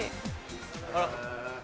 あら。